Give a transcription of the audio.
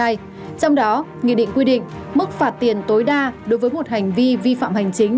trong đó nghị định quy định mức phạt tiền tối đa đối với một hành vi vi phạm hành chính